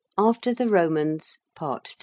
AFTER THE ROMANS. PART III.